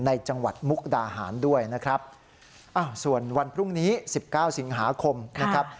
จังหวัดมุกดาหารด้วยนะครับอ้าวส่วนวันพรุ่งนี้สิบเก้าสิงหาคมนะครับ